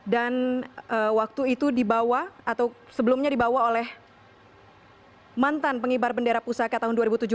waktu itu dibawa atau sebelumnya dibawa oleh mantan pengibar bendera pusaka tahun dua ribu tujuh belas